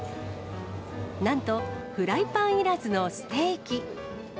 なんと、フライパンいらずのステーキ。